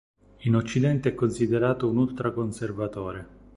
In occidente è considerato un ultraconservatore.